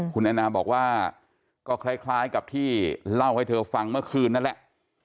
คุณแอนนาบอกว่าก็คล้ายกับที่เล่าให้เธอฟังเมื่อคืนนั่นแหละ